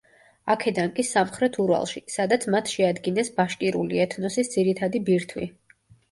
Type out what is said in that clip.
აქედან კი სამხრეთ ურალში, სადაც მათ შეადგინეს ბაშკირული ეთნოსის ძირითადი ბირთვი.